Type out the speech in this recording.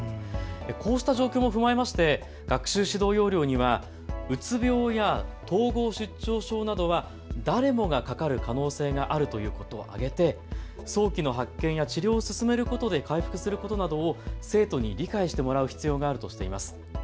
こうした状況も踏まえまして学習指導要領には、うつ病や統合失調症などは誰もがかかる可能性があるということを挙げて早期の発見や治療を進めることで回復することなどを生徒に理解してもらう必要があるとしています。